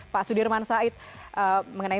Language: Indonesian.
pak sudirman said mengenai